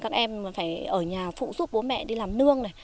các em phải ở nhà phụ giúp bố mẹ đi làm nương này